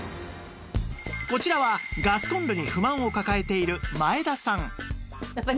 こちらはガスコンロに不満を抱えている前田さん